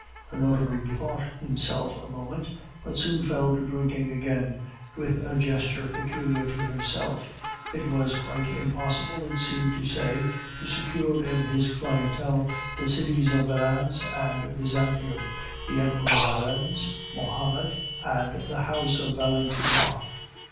The notary bethought himself a moment, but soon fell to drinking again, with a gesture peculiar to himself; it was quite impossible, it seemed to say to secure in his clientele the cities of Valence and Byzantium, the Emperor Valens, Mahmoud, and the house of Valentinois.